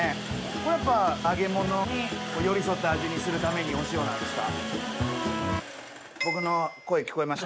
これやっぱ揚げ物に寄り添った味にするためにお塩なんですか？